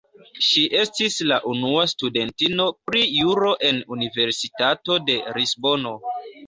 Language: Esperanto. Ŝi estis la unua studentino pri Juro en Universitato de Lisbono.